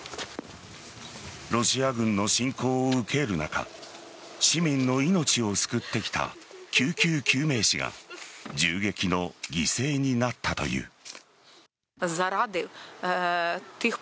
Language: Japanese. ロシア軍の侵攻を受ける中市民の命を救ってきた救急救命士が銃撃の犠牲になったという。